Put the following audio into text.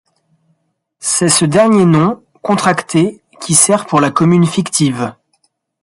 C'est ce dernier nom, contracté, qui sert pour la commune fictive.